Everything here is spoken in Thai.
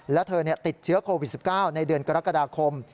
และเธอติดเชื้อโควิด๑๙ในเดือนกรกฎาคม